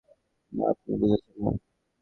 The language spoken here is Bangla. না, আপনি বুঝছেন না!